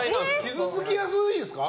傷つきやすいんすか？